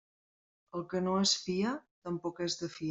El que no es fia, tampoc és de fiar.